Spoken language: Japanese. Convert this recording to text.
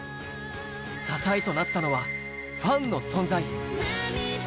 支えとなったのは、ファンの存在。